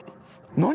何？